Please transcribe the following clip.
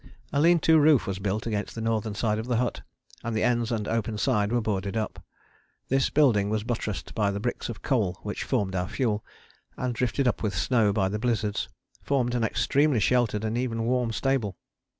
A lean to roof was built against the northern side of the hut, and the ends and open side were boarded up. This building when buttressed by the bricks of coal which formed our fuel, and drifted up with snow by the blizzards, formed an extremely sheltered and even warm stable.